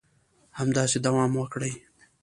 همداسې دوام وکړي